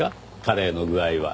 カレーの具合は。